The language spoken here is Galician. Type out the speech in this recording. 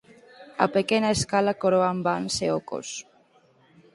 A pequena escala coroan vans e ocos.